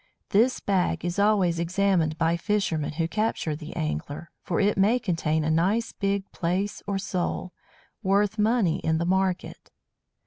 This bag is always examined by fishermen who capture the Angler, for it may contain a nice big Plaice or Sole, worth money in the market.